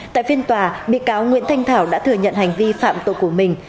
tại phiên tòa bị cáo nguyễn thanh thảo đã thừa nhận hành vi phạm tổ quốc